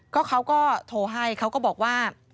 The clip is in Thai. ก็เขาก็โทรให้เขาก็บอกว่า